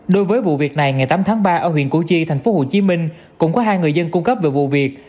đối với vụ việc này ngày tám tháng ba ở huyện củ chi tp hcm cũng có hai người dân cung cấp về vụ việc